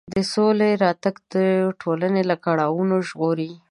د سولې راتګ ټولنه له کړاوونو ژغوري.